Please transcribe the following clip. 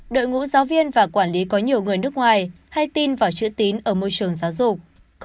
đội ngũ giáo viên và quản lý có nhiều người nước ngoài hay tin vào chữ tín ở môi trường giáo dục